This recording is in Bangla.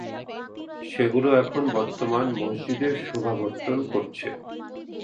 সেগুলো এখন বর্তমান মসজিদের শোভা বর্ধন করছে।